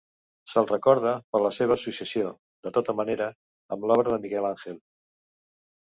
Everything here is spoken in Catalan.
Se'l recorda per la seva associació -de tota manera- amb l'obra de Miquel Àngel.